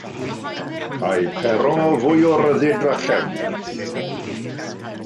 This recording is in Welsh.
Cai Pero fwy o ryddid drachefn.